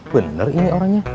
bener ini orangnya